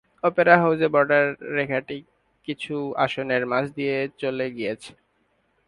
Opera হাউজে border রেখাটি কিছু আসনের মাঝ দিয়ে চলে গিয়েছে।